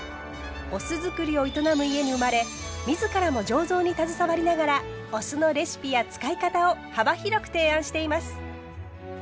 お酢造りを営む家に生まれ自らも醸造に携わりながらお酢のレシピや使い方を幅広く提案しています。